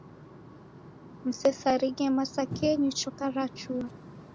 Msesarighe masakenyi choka rachua.